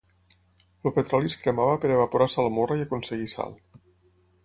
El petroli es cremava per evaporar salmorra i aconseguir sal.